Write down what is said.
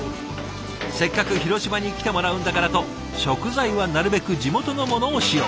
せっかく広島に来てもらうんだからと食材はなるべく地元のものを使用。